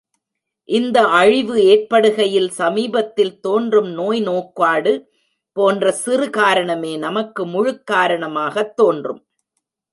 இந்த அழிவு ஏற்படுகையில் சமீபத்தில் தோன்றும் நோய் நோக்காடு போன்ற சிறு காரணமே நமக்கு முழுக் காரணமாகத் தோன்றும்.